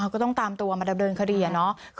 ก็ต้องตามตัวมาดำเนินคดีอะเนาะ